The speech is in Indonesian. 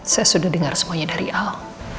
saya sudah dengar semuanya dari awal